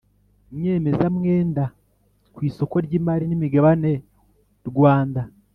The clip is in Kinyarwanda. nyemezamwenda ku isoko ry imari n’ imigabane Rwanda